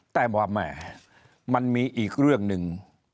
แต่ว่าแม่มันมีอีกเรื่องหนึ่ง